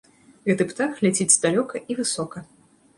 Гэты птах ляціць далёка і высока!